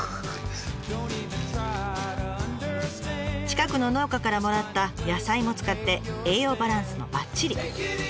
近くの農家からもらった野菜も使って栄養バランスもばっちり！